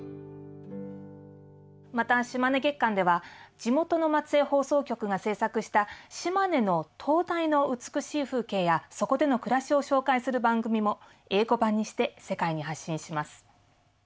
また「島根月間」では地元の松江放送局が制作した島根の灯台の美しい風景やそこでの暮らしを紹介する番組も英語版にして世界に発信します。